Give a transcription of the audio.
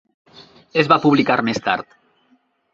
Es va publicar més tard.